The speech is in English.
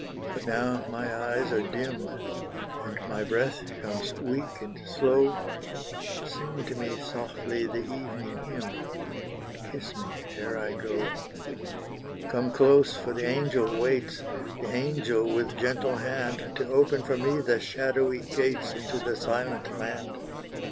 But now my eyes are dim, And my breath comes weak and slow, Sing to me softly the evening hymn, And kiss me ere I go. Come close for the angel waits The angel with gentle hand, To open for me the shadowy gates, Into the silent land.